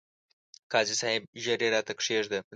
قاضي صاحب! ژر يې راته کښېږده ،